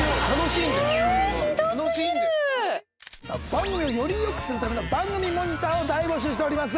番組をより良くするための番組モニターを大募集しております。